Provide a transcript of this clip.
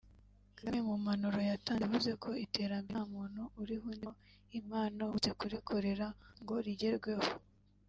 Kagame mu mpanuro yatanze yavuze ko iterambere nta muntu uriha undi mo impano uretse kurikorera ngo rigerweho